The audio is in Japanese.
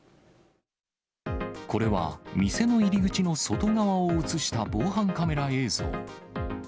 これは店の入り口の外側を写した防犯カメラ映像。